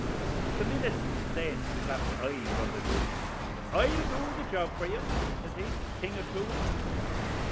The minute the saint clapt his eyes on the goose, 'I'll do the job for you,' says he, 'King O'Toole.'